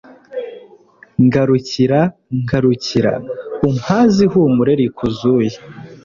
ngarukira, ngarukira ;umpaze ihumure rikuzuye